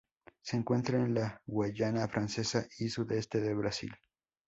Se encuentra en la Guayana Francesa y sudeste de Brasil.